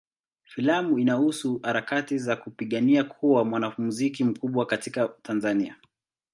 Filamu inahusu harakati za kupigania kuwa mwanamuziki mkubwa katika Tanzania.